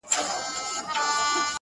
په زلفو ورا مه كوه مړ به مي كړې!!